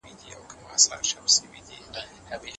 ژوند باید بې نظمه نه وي.